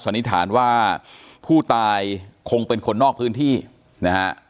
นิษฐานว่าผู้ตายคงเป็นคนนอกพื้นที่นะฮะ